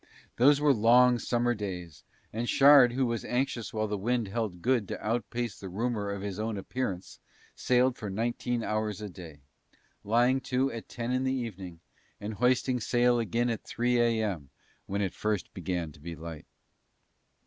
Those were long summer days and Shard who was anxious while the wind held good to outpace the rumour of his own appearance sailed for nineteen hours a day, lying to at ten in the evening and hoisting sail again at three a.m. when it first began to be light.